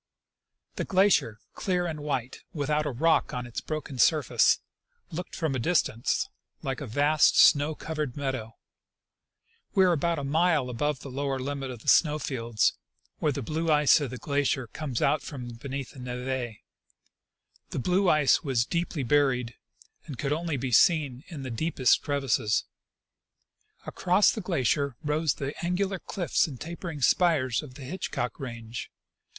The glacier, clear and white, without a rock on its broken sur face, looked from a little distance like a vast snow covered meadow. We were about a mile above the lower limit of the snow fields, where the blue ice of the glacier comes 'Out from be neath the neve. The blue ice was deeply buried, and could only be seen in the deepest crevasses. Across the glacier rose the angular cliffs and tajjering spires of the Hitchcock range.